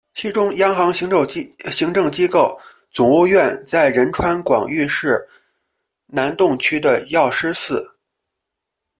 其中央行政机构总务院在仁川广域市南洞区的药师寺。